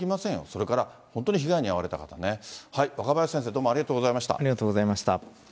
それから、本当に被害に遭われた方ね、若林先生、どうもありがとありがとうございました。